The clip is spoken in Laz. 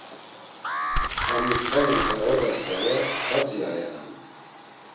A mutxa na gağodasere xadzi ayenan.